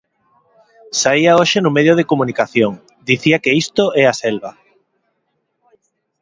Saía hoxe nun medio de comunicación, dicía que isto é a selva.